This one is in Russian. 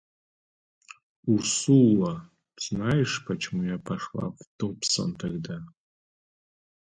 Урсула, знаешь, почему я пошла в Добсон тогда?